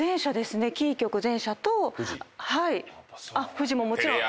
フジももちろん。